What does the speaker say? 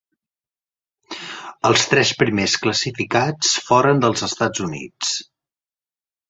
Els tres primers classificats foren dels Estats Units.